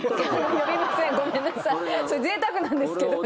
それぜいたくなんですけど。